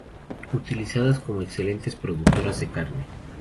Utilizadas como excelentes productoras de carne.